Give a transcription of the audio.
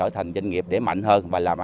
thì vừa học vừa làm